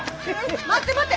待って待って！